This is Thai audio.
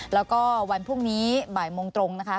แล้วก็วันพรุ่งนี้บ่ายโมงตรงนะคะ